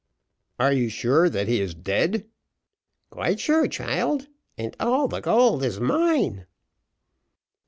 "Are you sure that he is dead?" "Quite sure, child and all the gold is mine."